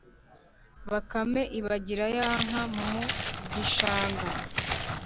Bakame ibagira ya nka mu gishanga